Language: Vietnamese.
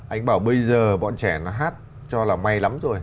anh bảo bây giờ bọn trẻ nó hát cho là may lắm rồi